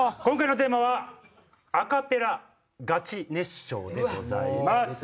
今回のテーマは「アカペラガチ熱唱」でございます。